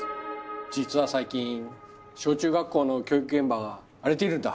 実は最近小中学校の教育現場が荒れているんだ。